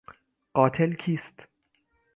قاتل کیست؟